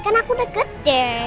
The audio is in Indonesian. kan aku udah gede